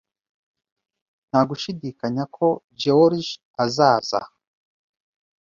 Nta gushidikanya ko George azaza.